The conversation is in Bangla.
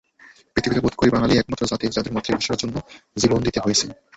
পৃথিবীতে বোধ করি বাঙালিই একমাত্র জাতি, যাঁদের মাতৃভাষার জন্য জীবন দিতে হয়েছে।